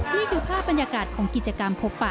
นี่คือภาพบรรยากาศของกิจกรรมพบปะ